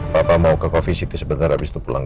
papa mau ke covisity sebentar abis itu pulang